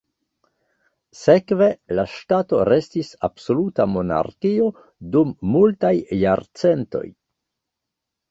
Sekve, la ŝtato restis absoluta monarkio dum multaj jarcentoj.